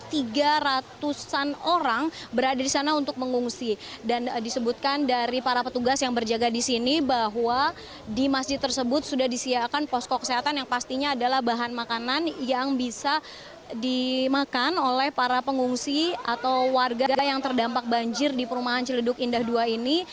tiga ratusan orang berada di sana untuk mengungsi dan disebutkan dari para petugas yang berjaga di sini bahwa di masjid tersebut sudah disiapkan posko kesehatan yang pastinya adalah bahan makanan yang bisa dimakan oleh para pengungsi atau warga yang terdampak banjir di perumahan celeduk indah dua ini